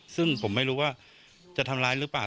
ซึ่งผมไม่รู้ว่าจะทำร้ายหรือเปล่า